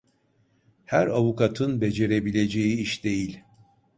Her avukatın becerebileceği iş değil…